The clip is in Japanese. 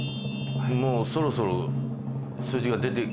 もうそろそろ数字が出て。